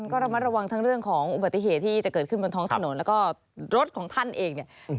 ก็ระมัดระวังทั้งเรื่องของบัติเหตุที่จะเกิดขึ้นบนท้องถนน